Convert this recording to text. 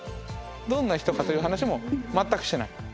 どんな人かという話も全くしてない。